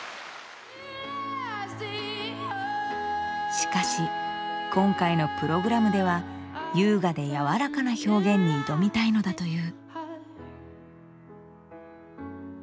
しかし今回のプログラムでは優雅でやわらかな表現に挑みたいのだという。